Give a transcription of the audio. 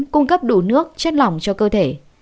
cung cấp đủ nước chất lỏng cho cơ thể